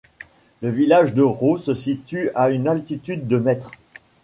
Le village de Ro se situe à une altitude de mètres.